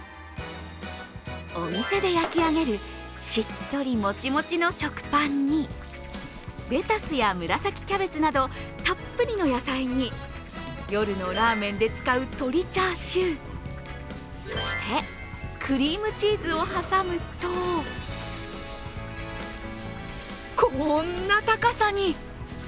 お店で焼き上げるしっとりもちもちの食パンにレタスや紫キャベツなどたっぷりの野菜に夜のラーメンで使う鶏チャーシュー、そして、クリームチーズを挟むとこんな高さに。